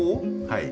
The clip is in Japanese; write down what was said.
はい。